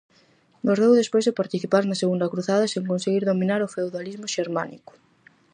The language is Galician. Morreu despois de participar na Segunda Cruzada sen conseguir dominar o feudalismo xermánico.